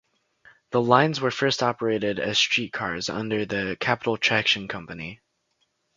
The lines were at first operated as streetcars under the Capital Traction Company.